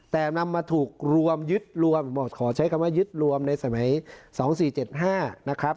แต่นำมาถูกรวมยึดรวมขอใช้คำว่ายึดรวมในสมัย๒๔๗๕นะครับ